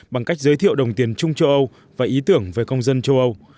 bằng cách giới thiệu đồng tiền chung châu âu và ý tưởng về công dân châu âu